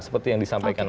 seperti yang disampaikan